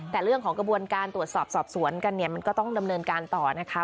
แต่เรื่องของกระบวนการตรวจสอบสอบสวนกันเนี่ยมันก็ต้องดำเนินการต่อนะคะ